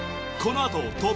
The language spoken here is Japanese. このあと